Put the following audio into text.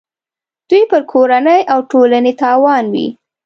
دوی پر کورنۍ او ټولنې تاوان وي.